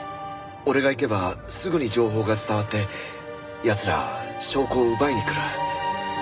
俺が行けばすぐに情報が伝わって奴ら証拠を奪いに来る。